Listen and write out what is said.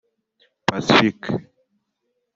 Pacifique